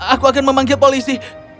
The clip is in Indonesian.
aku akan memanggil polisi